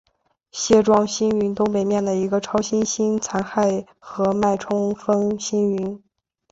蟹状星云东北面的一个超新星残骸和脉冲风星云。